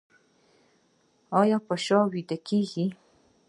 ایا په شا ویده کیږئ؟